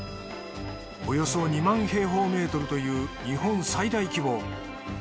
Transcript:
およそ２万平方メートルという日本最大規模。